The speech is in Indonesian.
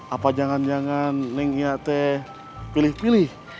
apa jangan jangan neng iyate pilih pilih